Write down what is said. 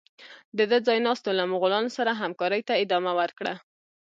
د ده ځای ناستو له مغولانو سره همکارۍ ته ادامه ورکړه.